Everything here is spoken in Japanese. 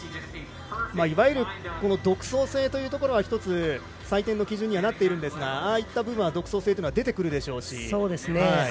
いわゆる独創性というところは採点の基準になっているんですがああいった部分は独創性が出てくるでしょうし。